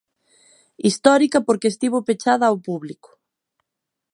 Histórica porque estivo pechada ao público.